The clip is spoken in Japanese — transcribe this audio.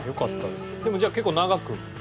でもじゃあ結構長くやられて。